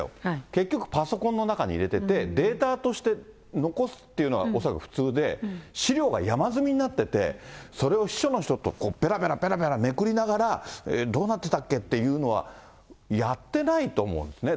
結局、パソコンの中に入れてて、データとして残すっていうのが恐らく普通で、資料が山積みになってて、それを秘書の人と、ぺらぺらぺらぺらめくりながら、えー、どうなってたっけっていうのは、やってないと思うんですね。